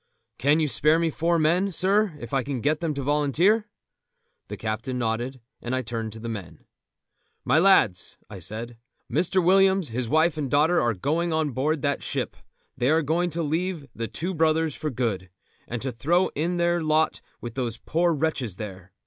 "Can you spare me four men, sir, if I can get them to volunteer?" The captain nodded, and I turned to the men. "My lads," I said, "Mr. Williams, his wife and daughter, are going on board that ship; they are going to leave The Two Brothers for good, and to throw in their lot with those poor wretches there.